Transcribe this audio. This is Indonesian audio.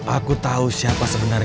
aku tau siapa sebenarnya